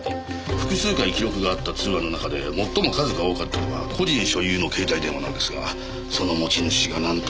複数回記録があった通話の中で最も数が多かったのが個人所有の携帯電話なんですがその持ち主がなんと。